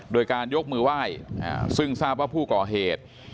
โดยการยกมือไหว้ซึ่งทราบว่าผู้ก่อเหตุ